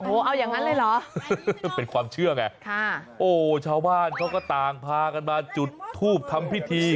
โอ้โหเอาอย่างนั้นเลยเหรอเป็นความเชื่อไงค่ะโอ้ชาวบ้านเขาก็ต่างพากันมาจุดทูบทำพิธี